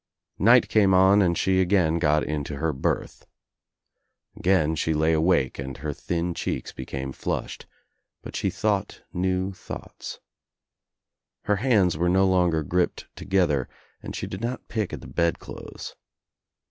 Night came on and she again got into her berth. Again she lay awake and THE NEW ENGLANDER 139 ^Vlier thin cheeks became flushed, but she thought new ^Hthoughts. Her hands were no longer gripped together ^H and she did not pick at the bed clothes.